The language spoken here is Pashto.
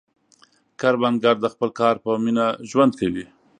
کروندګر د خپل کار په مینه ژوند کوي